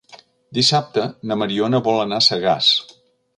Dissabte na Mariona vol anar a Sagàs.